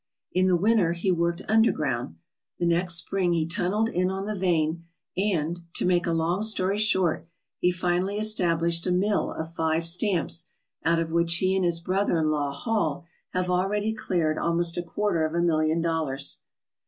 In the winter he worked underground. The next spring he tunnelled in on the vein; and, to make a long story short, he finally established a mill of five stamps, out of which he and his brother in law, Hall, have already cleared almost a quarter of a million dollars.